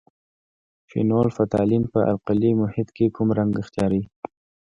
فینول فتالین په القلي محیط کې کوم رنګ اختیاروي؟